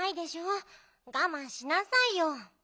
がまんしなさいよ。